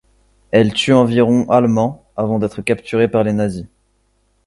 Elle tue environ allemands avant d'être capturée par les nazis.